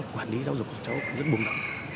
quản lý giáo dục của cháu và những bùn đồng